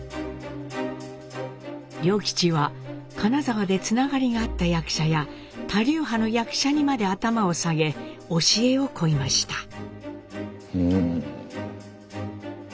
良吉は金沢でつながりがあった役者や他流派の役者にまで頭を下げ教えを請いました。